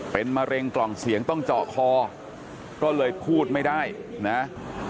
เป็นมะเร็งกล่องเสียงต้องเจาะคอก็เลยพูดไม่ได้นะ